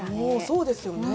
そうですよね。